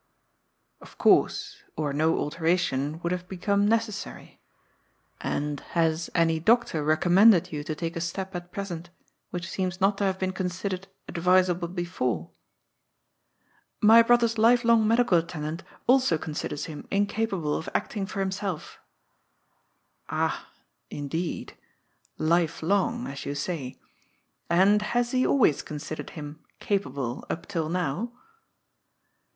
" Of course, or no alteration would have become neces sary. And has any doctor recommended you to take a step at present, which seems not to have been considered advis able before ?"" My brother's life long medical attendant also considers him incapable of acting for himself." " Ah ! Indeed. Life long, as you say. And has he al ways considered him capable up till now